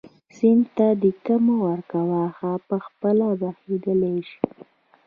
سیند ته دیکه مه ورکوه هغه په خپله بهېدلی شي.